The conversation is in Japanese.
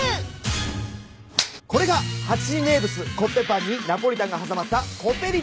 これがハチ名物コッペパンにナポリタンが挟まったコペリタンです。